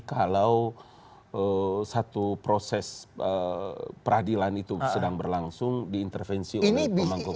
kalau satu proses peradilan itu sedang berlangsung diintervensi oleh pemangku kuasa negara